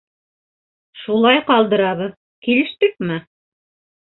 Шулай ҡалдырабыҙ, килештекме?